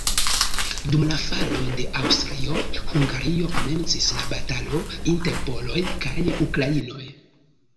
Dum la falo de Aŭstrio-Hungario komencis la batalo inter poloj kaj ukrainoj.